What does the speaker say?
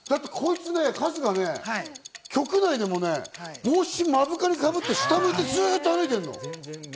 だって、こいつ、春日ね、局内でも帽子を目深にかぶって下向いてずっと歩いてるの。